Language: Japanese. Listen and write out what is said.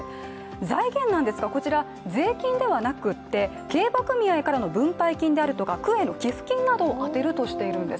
財源なんですが、こちら税金ではなくて競馬組合からの分配金であるとか区への寄付金などを充てるとしているんです。